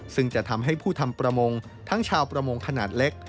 ซึ่งจะทำให้ผู้ทำประมงทั้งชาวประมงขนาดเล็ก